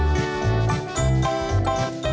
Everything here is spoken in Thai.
เวล